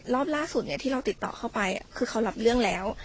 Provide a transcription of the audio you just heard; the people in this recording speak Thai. รอบล่าสุดที่เราติดต่อเข้าไปคือเขารับเรื่องแล้ว